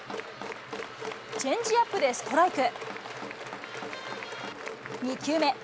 チェンジアップでストライク。